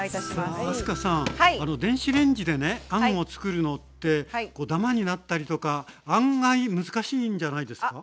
さあ明日香さん電子レンジでねあんを作るのってダマになったりとか案外難しいんじゃないですか？